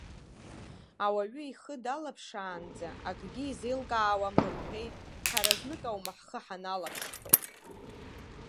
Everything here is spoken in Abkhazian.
Ауаҩы ихы далаԥшаанӡа акгьы изеилкаауам рымҳәеи, ҳара знык аума ҳхы ҳаналԥшхьоу!